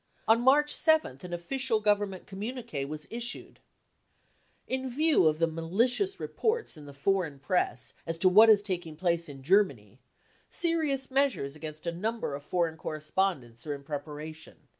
On March 7th an official Government communique was issued :~ Tri view of the malicious reports in the foreign press as to what is taking place in Germany, serious measures against a number of foreign correspondents are in prep aration.